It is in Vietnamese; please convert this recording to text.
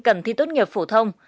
cần thi tốt nghiệp phổ thông